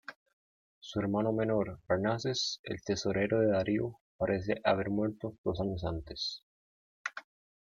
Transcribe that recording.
Su hermano menor, Farnaces, el tesorero de Darío, parece haber muerto dos años antes.